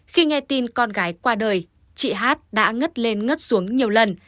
khi nghe tin con gái qua đời chị hát đã ngất lên ngất xuống nhiều lần